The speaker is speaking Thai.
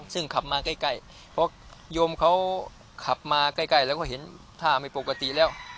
ซึ่งขับมาใกล้เพราะโยมเขาขับมาใกล้แล้วก็เห็นท่าไม่ปกติแล้ว